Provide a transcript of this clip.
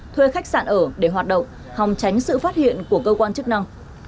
thuê khách sạn ở để hoạt động hòng tránh sự phát hiện của cơ quan chức năng